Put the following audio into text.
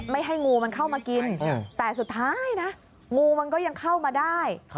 ให้งูมันเข้ามากินแต่สุดท้ายนะงูมันก็ยังเข้ามาได้